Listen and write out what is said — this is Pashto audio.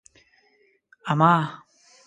اما